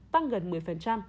tăng gần một mươi